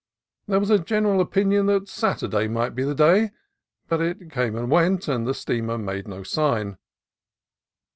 There was a general opinion that Saturday might be the day, but it came and went, and the steamer made no sign.